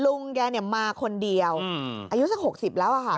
ลุงแกเนี่ยมาคนเดียวอายุสัก๖๐แล้วค่ะ